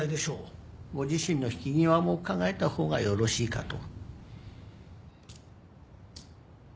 ご自身の引き際も考えた方がよろしいかと